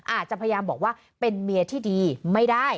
อาจจะพยายามบอกว่าเป็นเมียที่ดีไม่ได้